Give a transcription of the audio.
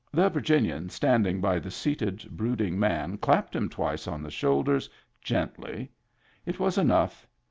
The Virginian standing by the seated, brooding man clapped him twice on the shoulders, gently. It was enough.